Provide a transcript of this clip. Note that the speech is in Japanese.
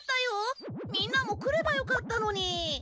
みんなも来ればよかったのに。